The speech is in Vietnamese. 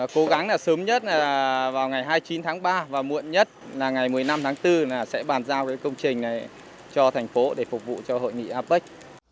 cố gắng là sớm nhất vào ngày hai mươi chín tháng ba và muộn nhất là ngày một mươi năm tháng bốn sẽ bàn giao công trình này cho thành phố để phục vụ cho hội nghị apec